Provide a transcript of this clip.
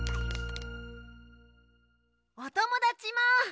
おともだちも。